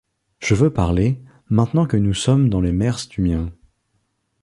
Je veux parler, maintenant que nous sommes dans les mers du mien.